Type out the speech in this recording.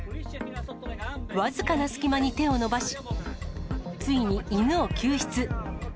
僅かな隙間に手を伸ばし、ついに犬を救出。